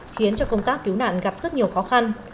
khiến cho công tác cứu nạn gặp rất nhiều khó khăn